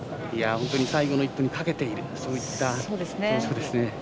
本当に最後の１本にかけているそういった感じですね。